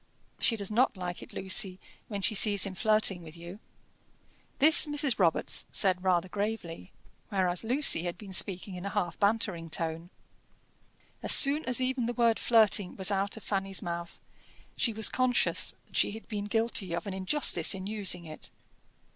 "She does not like it, Lucy, when she sees him flirting with you." This Mrs. Robarts said rather gravely, whereas Lucy had been speaking in a half bantering tone. As soon as even the word flirting was out of Fanny's mouth, she was conscious that she had been guilty of an injustice in using it.